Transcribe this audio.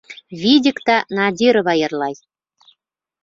Видикта Надирова йырлай.